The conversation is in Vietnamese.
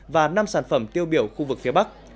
và năm sản phẩm tiêu biểu khu vực phía bắc